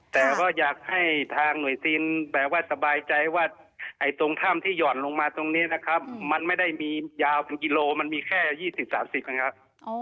แต่ว่าอยากให้ทางหน่วยศิลป์แบบว่าสบายใจว่าไอ้ตรงถ้ำที่หย่อนลงมาตรงนี้นะครับมันไม่ได้มียาวกี่โลมันมีแค่ยี่สิบสามสิบนะครับอ๋อ